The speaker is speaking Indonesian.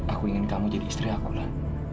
aku ingin kamu jadi istri aku lah